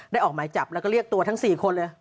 ออกหมายจับแล้วก็เรียกตัวทั้ง๔คนเลย